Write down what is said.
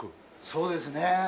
そうですね。